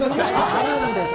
あるんですね。